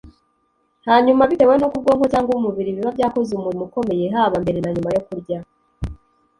hanyuma bitewe n'uko ubwonko cyangwa umubiri biba byakoze umurimo ukomeye haba mbere na nyuma yo kurya